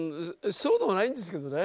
そうでもないんですけどね。